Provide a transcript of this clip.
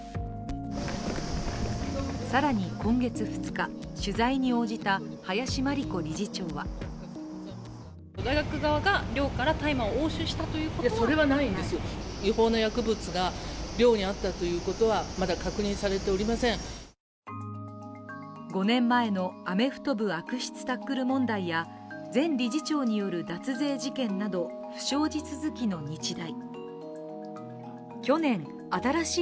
更に今月２日、取材に応じた林真理子理事長は５年前のアメフト部悪質タックル問題や前理事長による脱税事件など不祥事続きの日大。